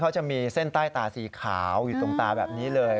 เขาจะมีเส้นใต้ตาสีขาวอยู่ตรงตาแบบนี้เลย